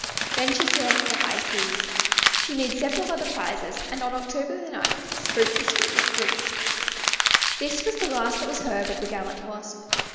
Then she sailed for the high seas. She made several other prizes, and on October 9 spoke a Swedish brig. This was the last that was ever heard of the gallant Wasp.